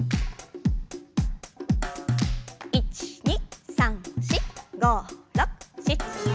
１２３４５６７８。